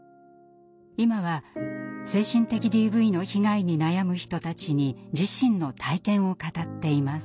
今は精神的ＤＶの被害に悩む人たちに自身の体験を語っています。